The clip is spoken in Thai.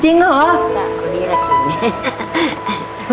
จริงเหรอ